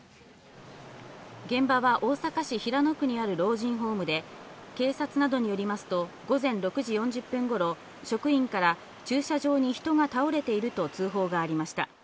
現場は大阪市平野区にある老人ホームで、警察などによりますと、午前６時４０分頃、職員から駐車場に人が倒れていると通報がありました。